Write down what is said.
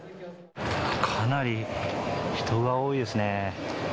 かなり人が多いですね。